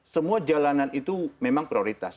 semua jalanan itu memang prioritas